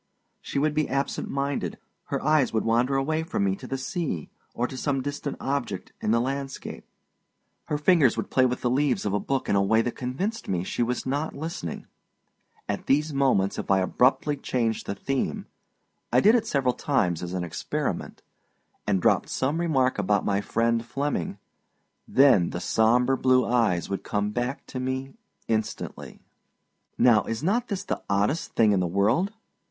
She would be absent minded, her eyes would wander away from me to the sea, or to some distant object in the landscape; her fingers would play with the leaves of a book in a way that convinced me she was not listening. At these moments if I abruptly changed the theme I did it several times as an experiment and dropped some remark about my friend Flemming, then the sombre blue eyes would come back to me instantly. Now, is not this the oddest thing in the world?